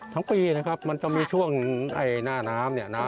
ทั้งปีนะครับมันจะมีช่วงหน้าน้ำเนี่ยน้ำ